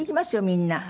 みんな。